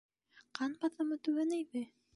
— Ҡан баҫымы түбәнәйҙе...